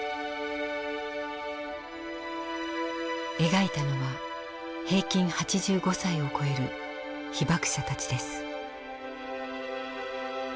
描いたのは平均８５歳をこえる被爆者たちです。